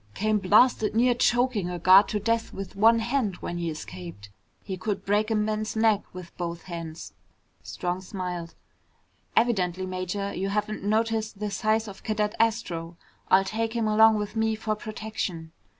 Came blasted near choking a guard to death with one hand when he escaped. He could break a man's neck with both hands." Strong smiled. "Evidently, Major, you haven't noticed the size of Cadet Astro. I'll take him along with me for protection."